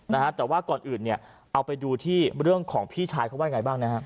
นะฮะแต่ว่าก่อนอื่นเนี่ยเอาไปดูที่เรื่องของพี่ชายเขาว่าไงบ้างนะฮะ